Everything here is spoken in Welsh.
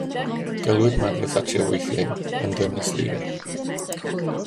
Gelwid Margaret Thatcher weithiau yn Ddynes Ddur.